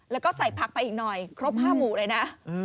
แล้วก็ใส่ผักไปอีกหน่อยครบ๕หมู่เลยนะ